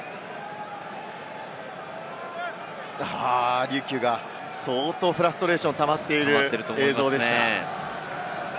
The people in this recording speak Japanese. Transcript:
あ、リュキュが相当フラストレーション溜まっている映像でした。